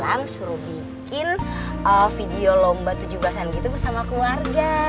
dia suruh bikin video lomba tujuh belasan gitu bersama keluarga